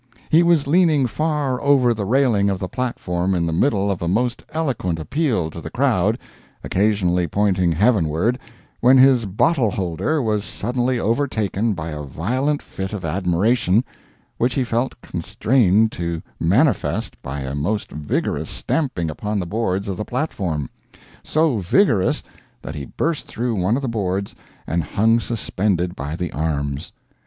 He was leaning far over the railing of the platform in the middle of a most eloquent appeal to the crowd, occasionally pointing heavenward, when his bottle holder was suddenly overtaken by a violent fit of admiration, which he felt constrained to manifest by a most vigorous stamping upon the boards of the platform—so vigorous that he burst through one of the boards and hung suspended by the arms.